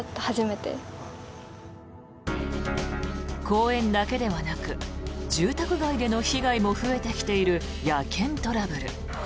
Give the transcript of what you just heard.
公園だけではなく住宅街での被害も増えてきている野犬トラブル。